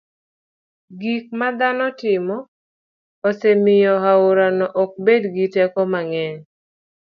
gik ma dhano timo osemiyo aorano ok bed gi teko mang'eny.